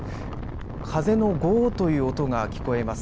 風のごーという音が聞こえます。